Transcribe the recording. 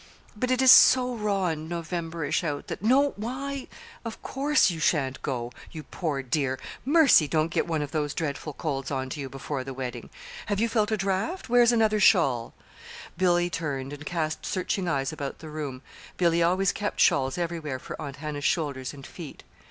But it is so raw and Novemberish out, that " "Why, of course you sha'n't go, you poor dear! Mercy! don't get one of those dreadful colds on to you before the wedding! Have you felt a draft? Where's another shawl?" Billy turned and cast searching eyes about the room Billy always kept shawls everywhere for Aunt Hannah's shoulders and feet.